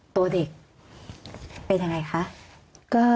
ตัวเด็กเป็นยังไงคะ